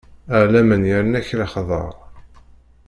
A laman yerna-k lexdeɛ.